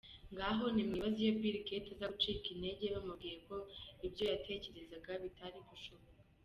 Ngaho nimwibaze iyo Bill Gates aza gucika intege bamubwiye ko ibyo yatekerezaga bitari gushoboka?.